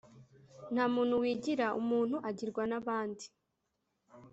nta muntu wigira umuntu agirwa n’abandi